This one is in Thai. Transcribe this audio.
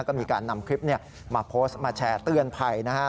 ก็มีการนำคลิปมาโพสต์มาแชร์เตือนภัยนะฮะ